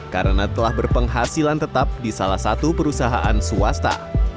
karena telah berpenghasilan tetap di salah satu perusahaan swasta